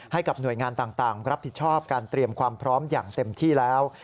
ให้กับหน่วยงานต่างรับผิดชอบการเตรียมความพร้อมอย่างเต็มที่แล้ว